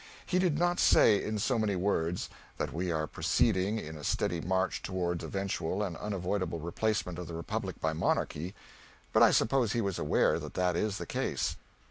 He did not say, in so many words, that we are proceeding, in a steady march, toward eventual and unavoidable replacement of the republic by monarchy; but I suppose he was aware that that is the case.